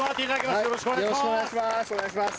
よろしくお願いします。